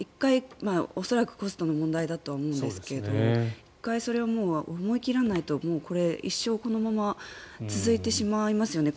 恐らくコストの問題だと思うんですけど１回それを思い切らないとこれ、一生このまま続いてしまいますよね。